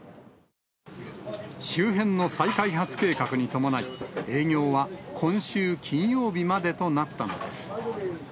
周辺の再開発計画に伴い、営業は今週金曜日までとなったのです。